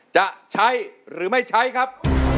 จะใช้หรือไม่ใช้ครับ